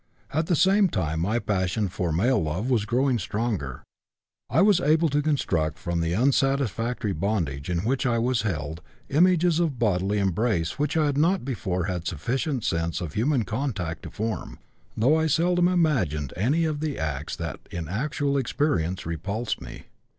"At the same time my passion for male love was growing stronger. I was able to construct from the unsatisfactory bondage in which I was held images of bodily embrace which I had not before had sufficient sense of human contact to form, though I seldom imagined any of the acts that in actual experience repulsed me.